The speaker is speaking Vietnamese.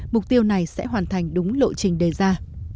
mục tiêu này sẽ hoàn thành đúng lộ trình đề ra